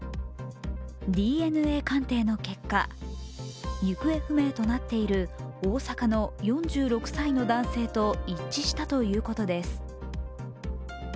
ＤＮＡ鑑定の結果、行方不明となっている大阪の４６歳の男性と一致したということです。